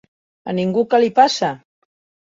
A ningú que li passe!